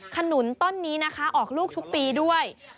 ขนุนต้นนี้นะคะออกลูกทุกปีด้วย